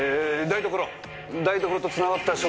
台所とつながった食堂！